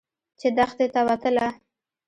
چې دښتې ته وتله.